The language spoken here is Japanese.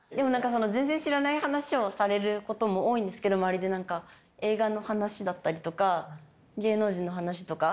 全然知らない話をされることも多いんですけど周りで何か映画の話だったりとか芸能人の話とか。